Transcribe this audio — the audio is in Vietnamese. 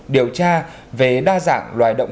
điều tra về đa dạng loài động